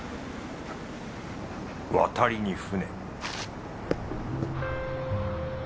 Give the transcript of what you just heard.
渡りに船